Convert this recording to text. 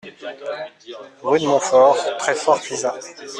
Rue de Montfort, Treffort-Cuisiat